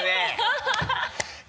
ハハハ